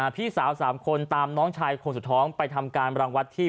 พี่สาว๓คนตามน้องชายคนสุดท้องไปทำการรังวัดที่